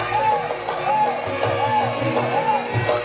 tak k transitions